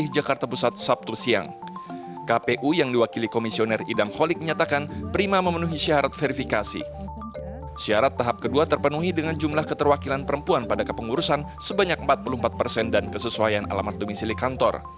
jika perlu ada perbaikan